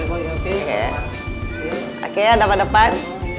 oke ada di depan